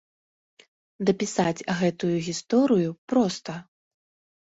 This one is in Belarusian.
Дапісаць гэтую гісторыю проста.